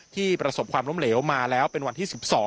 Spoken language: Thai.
ประสบความล้มเหลวมาแล้วเป็นวันที่๑๒